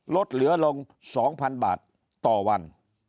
ลดเหลือลง๒๐๐๐บาทต่อวัน